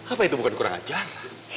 apa itu bukan kurang ajar